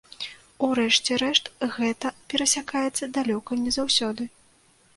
У рэшце рэшт гэта перасякаецца далёка не заўсёды.